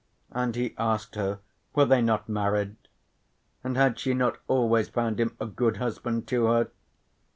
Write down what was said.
And he asked her, were they not married? And had she not always found him a good husband to her?